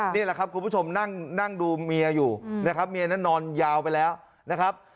นี่แหละครับคุณผู้ชมนั่งดูเมียอยู่นะครับเมียนั้นนอนยาวไปแล้วนะครับ